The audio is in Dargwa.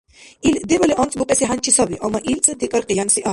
Ил дебали анцӀбукьеси хӀянчи саби, амма илцад-декӀар къиянси ахӀен.